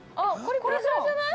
◆これじゃない？